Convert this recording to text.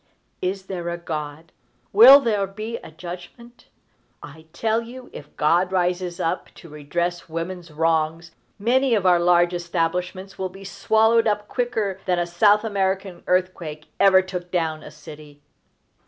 _ Is there a God? Will there be a judgment? I tell you, if God rises up to redress woman's wrongs, many of our large establishments will be swallowed up quicker than a South American earthquake ever took down a city.